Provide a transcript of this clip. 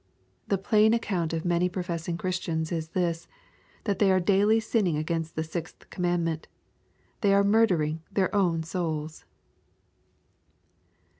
The plain account of many professing Christians is this, that they are daily sinning against the sixth commandment. They are murdering their own souls